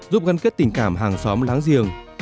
giúp gắn kết tình cảm hàng xóm láng giềng